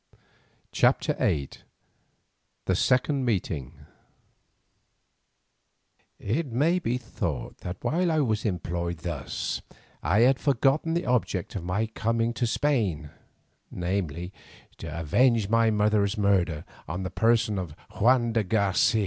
CHAPTER VIII THE SECOND MEETING It may be thought that while I was employed thus I had forgotten the object of my coming to Spain, namely to avenge my mother's murder on the person of Juan de Garcia.